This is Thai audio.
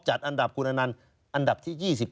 จัดอันดับคุณอนันต์อันดับที่๒๑